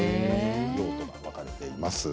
用途が分かれています。